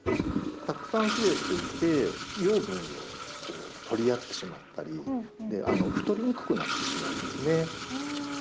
たくさん増えていて養分を取り合ってしまったり太りにくくなってしまうんですね。